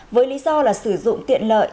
với lý do là sử dụng tiện lợi